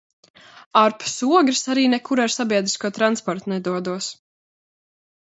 Ārpus Ogres arī nekur ar sabiedrisko transportu nedodos.